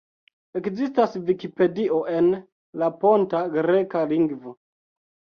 Ekzistas Vikipedio en la ponta greka lingvo.